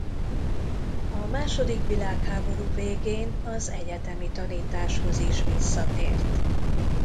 A második világháború végén az egyetemi tanításhoz is visszatért.